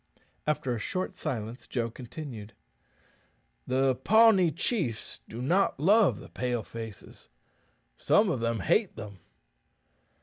After a short silence Joe continued, "The Pawnee chiefs do not love the Pale faces. Some of them hate them."